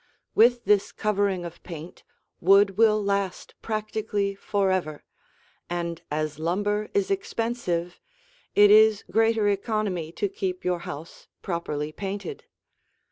With this covering of paint, wood will last practically forever, and as lumber is expensive, it is greater economy to keep your house properly painted.